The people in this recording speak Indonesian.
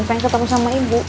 pengen ketemu sama ibu